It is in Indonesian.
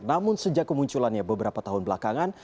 namun sejak kemunculannya beberapa tahun belakangan